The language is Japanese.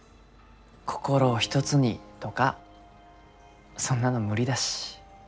心を一つにとかそんなの無理だし。